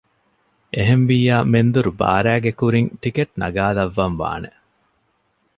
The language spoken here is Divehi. އެހެންވިއްޔާ މެންދުރު ބާރައިގެ ކުރިން ޓިކެޓް ނަގާލައްވަން ވާނެ